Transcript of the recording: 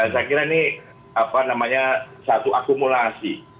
saya kira ini satu akumulasi dari masyarakat lasri